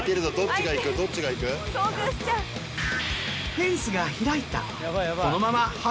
フェンスが開いた。